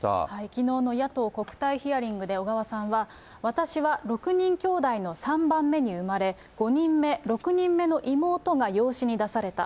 きのうの野党国対ヒアリングで、小川さんは、私は６人きょうだいの３番目に産まれ、５人目、６人目の妹が養子に出された。